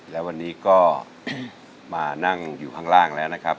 แล้ววันนี้ก็มานั่งอยู่ข้างล่างแล้วนะครับ